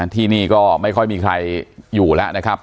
ที่นี่ก็ไม่ค่อยมีใครอยู่แล้วนะครับ